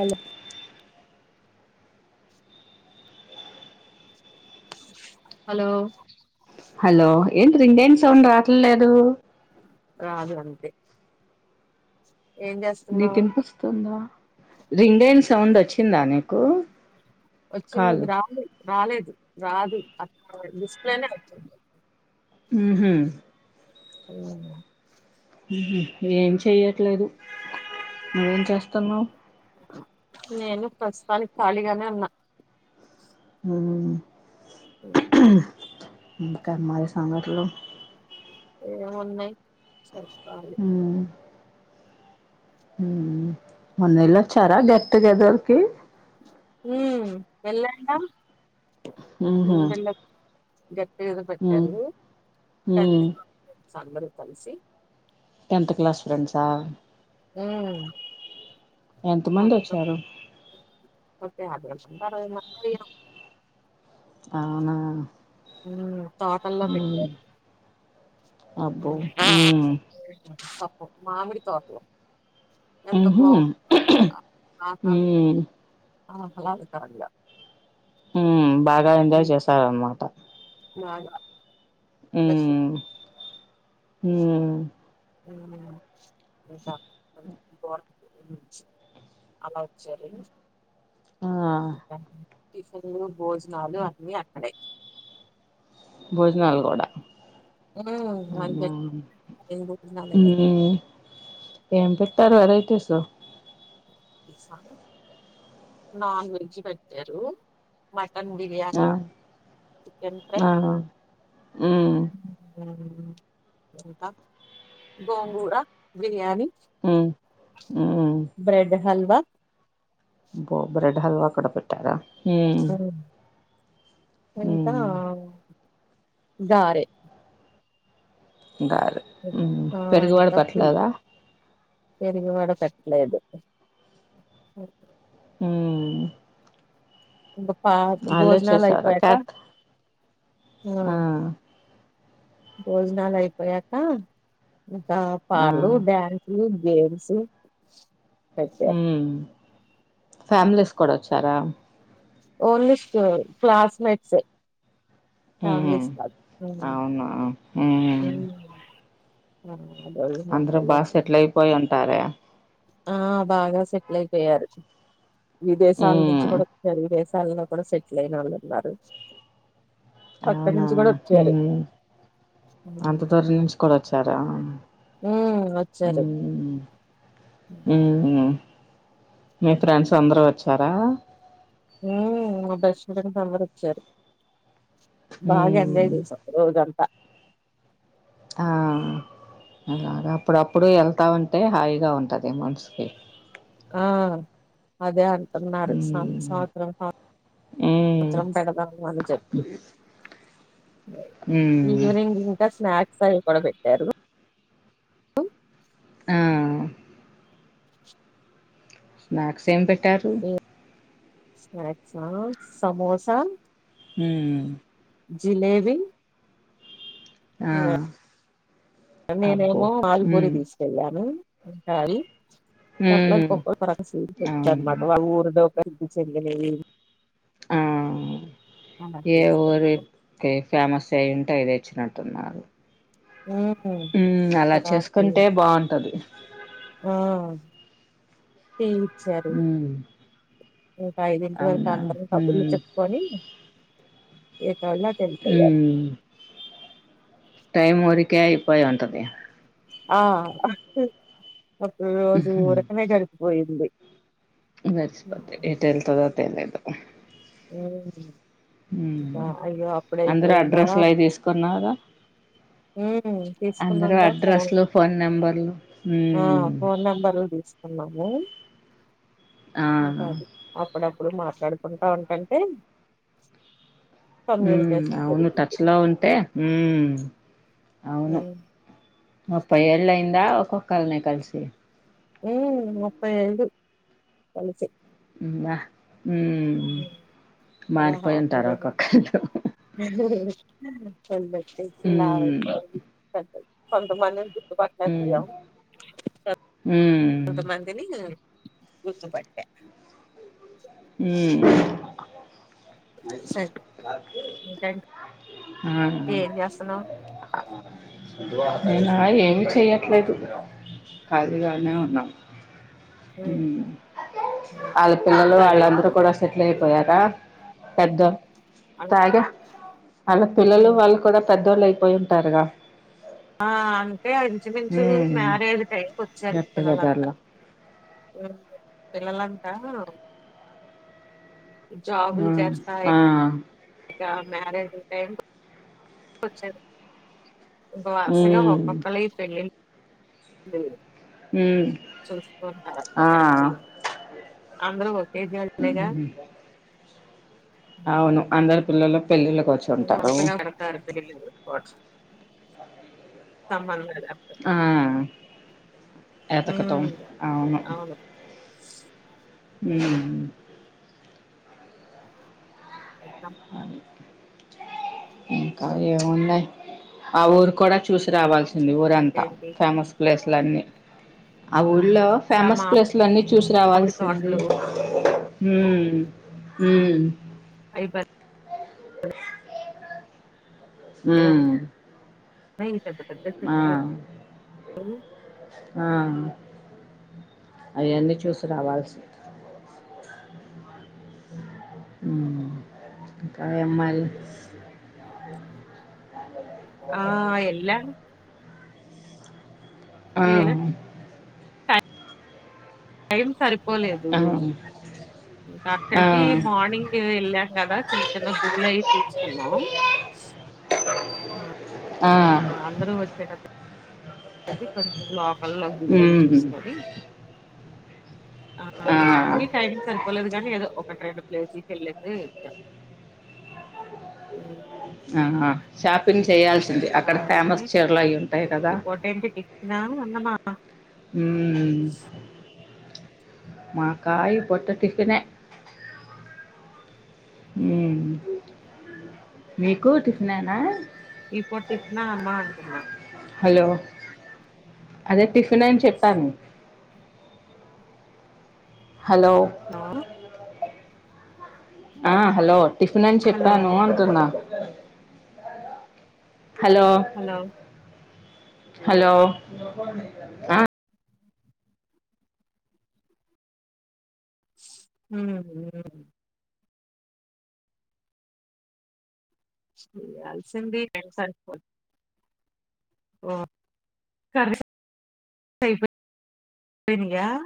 అలో hello hello ఏం ఇ ఇంేం సౌండ్ రావట్ంలేదు రాదు అంతే ఏం చేస్తున్నావు నీకునిపిస్తుందా రింగ్ అయింది సౌండ్ వచ్చిందా నీకు వచ్చి కాలు గ్రాములు రాలేదు రాదు అట్లా స్ప్లేనే అవుతుంది హ్మ్మ్ హ్మ్మ్ అ ఏం చెయ్యట్లేదు నువ్వేం చేస్తున్నావు్ నేను ప్రస్తుతానికి ఖాళీగానే ఉన్నా హ ఇంకా మరి సంగతులు ఏ ఉన్నాయి సరే అ మొన్నెలా వచ్చారా గెట్టుగదర్కి హ్మ్మ్ వెళ్ళాం గా ఆహా గట్టి ఏద పెట్టారు కంతకి సో అందరూ కలిసి టెన్త్ క్లాస్ స్ెంట్సా హ్మ్మ్ ఎంత మంది వచ్చారు [unintelligible] అవునా ఉ తోటల్లా ఉమ్, పెట్టారు అబ్బో ఉమ్, హ్మ్మ్ పాపం మామిడి తోటలో ఎంత ఉహు బాగుందో ఆ ఉ వాతావరణం ఆ [unintelligible] కార్య హుబాగా ఎంజాయ్ చేసార్ అన్నమాట బాగా బస్ హు [inaudible] అలా వచ్చారు ఆ ఇంకా టిఫిన్లు భోజనాలు అన్నీ అక్కడే భోజనాలు కూడా ఊ అంతే అవునా [unintelligible] భోజనాలే కదా ఎమ్ పెట్టారు వెరైటీస్ నాన్ వెజ్ పెట్టారు మట మటన్ ఆ బిర్యానీ చికెన్ ఫ్రై ఆ హ్మ్ హు హు ఇంకా గోంగూరా బిర్యానీ హు హూ బ్రెడ్ హల్వా అబ్బో బ్రెడ్ హల్వా కూడా పెట్టారా హు ఉమ్, ఇంకా ఆ గారే గారే ఊ ఆ పెరుగువడ ఇంకా పేట్టలేదా లేదూ ఊ బప్ పా భోజనాలు చేసారా అయిపోయాకా క్యాట్ ఆ భోజనాలు అయిపోయాక ఇంకా ఆ పార్లు డ్యాన్సు గేమ్స్ ఊ పెట్టారు ఫ్యామిలీస్ కూడా వచ్ టారా ఓన్లీ స్కూల్ క్లాస్ మీట్స్ ఏ ఉ అవును అవున హు అదోళ్ళు అందరూ మగోళ్ళు బాగా సెటిల్ అయిపోయింటారే ఆ బాగా సెటిల్ అయిపోయారూ విదేశాల నుంచి ఉమ్ కూడా వెలివేసి వాళ్ళలో ఒకడు సెటిల్ అయినాడు అవునా ఉమ్ అంత దూరం నుంచి కూడా ఒ చ్చరా ఉమ్ వచ్చారు ఉమ్ మీ ఫ్రెండ్స్ అందరూ వచ్చారా? ఊ మా బెస్ట్ ఫ్రెండ్స్ అందరు వచ్చారు బాగా ఉమ్ ఎండైంది తెలుసా ఈ రోజంతా ఆ అలాగా అప్పుడప్పుడు ఎళ్తా ఉంటే హాయిగా ఉంటది మనసుకీ ఆ అదే అన్ ఉమ్ సంవత్సరం ఉమ్ సంవత్సరం పెడదాము అని చెప్పీ ఉమ్ ఈవినింగ్ ఇంకా స్నాక్ కూడా ఇక్కడ పెట్టారు ఆ స్నాక్స్ ఏం పెట్ టరూ స్నాక్సా సమోసా ఉమ్ జిలేేబి ఆ అబ్బో నేనేమో ఆలుపూరి ఉమ్ తీసుకెళ్లాను హరి అట్లాఅట్లా ఉమ్ ఒక్కక్క రకం స్వీట్ తెచ్చారు అవునా అన్నమాట వాళ్ళ ఊరిలో చెందా ఆ అలా ఏ ఊరు తీసుకొచ్చాం ఫేమస్ అయి ఉంటే తెచ్చినాం తిన్నారు ఉమ్ అలా కరాటి చేసుకుంటే బాగుంటది ఆ వచ్చారు ఉమ్ ఇంకా ఐదింటి వరకు అవునా అందరం కబుర్లు ఉమ్ చెప్పుకొని ఏ తర్వాత వెళ్ళి పోయారు టైమ్ ఊరికే అయిపోయి ఉంటది ఆ ఒకప్పుడు రోజు ఊరకనే జరుపు పోయింది నచ్చక్ పోతే ఎతెల్తదో అ తెలీదు ఆ ఊహు హు అందరు అయిపోయిందా అడ్రస్లు అవి తీసుకున్నార ఉమ్ అందరు తీసుకున్నాంగా అడ్రస్లు ఫోన్ నెంబర్లు ఆ ఉమ్ ఫోన్ నెంబర్లు తీసుకున్నాం ఏం ఆ నింపాది అప్పుడప్ ఉప్పుడే మాట్లాడుకుంటా ఉంటంటే హూ కమ్యూనికేషన్ అవును టచ్ పెరుగుద్ది లో ఉంటే హు అవును ముప్పై ఏళ్లైంది దా ఒక్కొక్కల్ నే కలిసి ఊ ముప్పై ఐదు కలిసి హూ వా హూ హ్మ్. చాలా మారిపోయింటారు హ్యాపీగా ఒక్కొక్కళ్ళు చల్ మై ఎక్కిలావు హ్మ్. పడ్డది కొంత మందిన్ గుడ్ హ్మ్. పక్కకెళ్ళం కన్ హ్మ్. కొంత మందిని గుర్తు పట్టె ఊ సరే ఇంకేం ఆహా చేస్తున్నావ్ అవునా ఏమిచ్చి చేయట్లేదు కాలీగానే ఉన్నాం హ్మ్ ఆల్ కాఫీ పిల్లల్ తాగావా వాళ్ళందరూ కూడా సెటిల్ అయిపోయారా పెద్ద తాగా అంతేనా? వాళ్ళ పిల్లలు హ్మ్. వాళ్ళు కూడా పెద్దోళ్ళు అయి పోయుంటారుగా ఆ అంటే ఇంచుమించు హ్మ్. మ్యారేజ్ టైంకి వచ్చారు గట్టి పిల్లలంతా బజార్‌లో. ఉహు పిల్లలంతా జాబులు ఆ చేస్తా హా ఇక మ్యారేజీ టైం కొచేది ఇంక వర్సగా హ్మ్. ఒక్కొక్కళ్ళయి పెళ్ళిళ్ళు లేరు హ్మ్. చూస్తుంటరట ఆ! మ్యాచులు అందరూ ఒకే [unintelligible] వలేగా అవును అందరు పిల్లలు పెళ్ళిళ్ళకి వచ్చి ఉంటారు నమసె గలత్తారు పెళ్లిళ్లు జూడు పట్స్ సంబందాయ్ ఆ ఏతకటం ఉమ్ ఆవును అవును ఊ ఉమ్, ఏం అ పెహల్ ఏది ఇంకా ఉమ్, ఏమున్నయ్ ఆ ఊరు కూడా చూసి రావాలస్ తుంది ఊరంతా ఇంకేంటి ఫేమస్ ప్లేస్ ఇట్లన్ని ఆ ఊళ్ లో అసలు ఆ ఫేమస్ ప్లేస్లన్నీ చూసి మామిడి రావాల్సింది తోటలు ఊ ఊ తిరుపత్ ఊ నెయ్యి కదూ పెద్ద పెద్ద ఊ ఆ అయన్ని చూసి రావాల్సింది ఊ ఇంకా ఏం మళ్ళీ ఆ ఎల్లాను ఆవును ఏం సరిపోలేదు ఆ ఇంకా ఆ అక్కడికి మార్నింగ్ వెళ్ళాం కదా చిన్న చిన్న గుళ్ళ అయి చూసుకున్నాం ఆ ఆ అందరూ వచ్చేటట్టు ప్రతి [unintelligible] ప్ర లోకల్లో గుడ్లు అయి ఉమ్ చూసుకొని ఆ ఆ అన్నీ టైమ్ సరిపోలేదు కానీ ఏదో ఒకటి రెండు ప్లేసీ కెళ్లేసె వచ్చా ఊ ఆహ షాప్ ప్పిన్ చేయాల్సింది ఇంకా అక్కడ అంటే ఫేమస్ చీరలు అయి ఉంటాయి కదా ఈ పూట ఏంటి టిఫిన్ ఆ అన్నమా మాకాయ పొట్ట టిఫినే ఉ మీకు టిఫిన్ ఏనా ఈ పూట టిఫినా అమ్మా అంటున్నా. హలో అదే టిఫిన్ అని చెప్పాను. హలో హలో ఆ హలో టిఫిన్ అని హలో చెప్పాను అంటున్నా, [unintelligible] హలో హలో హలో ఆ [unintelligible] ఉ అలిసింది అన్ని సర్కొని ఎంటిదే